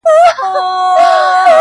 o مړې سي عاطفې هلته ضمیر خبري نه کوي,